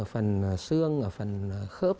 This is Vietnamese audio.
ở phần xương ở phần khớp